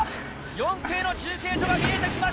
４区への中継所が見えてきました！